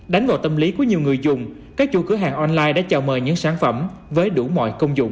đánh vào tâm lý của nhiều người dùng các chủ cửa hàng online đã chào mời những sản phẩm với đủ mọi công dụng